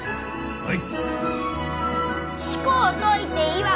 はい！